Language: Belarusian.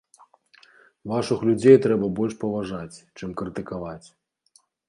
Вашых людзей трэба больш паважаць, чым крытыкаваць.